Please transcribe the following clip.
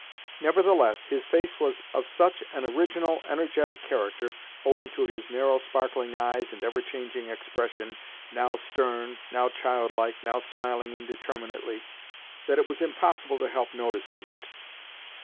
Nevertheless, his face was of such an original, energetic character (owing to his narrow, sparkling eyes and ever changing expression—now stern, now childlike, now smiling indeterminately) that it was impossible to help noticing it.